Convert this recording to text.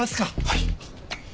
はい。